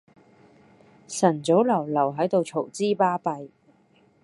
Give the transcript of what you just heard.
晨早流流喺度嘈之巴閉